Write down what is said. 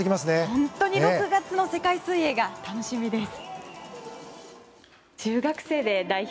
本当に６月の世界水泳が楽しみです。